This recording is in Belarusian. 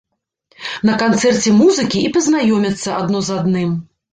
На канцэрце музыкі і пазнаёмяцца адно з адным.